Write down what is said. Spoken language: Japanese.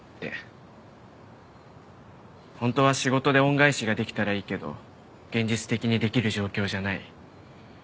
本当は仕事で恩返しができたらいいけど現実的にできる状況じゃない。